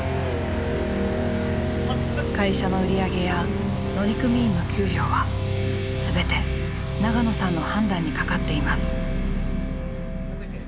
会社の売り上げや乗組員の給料は全て長野さんの判断にかかっています。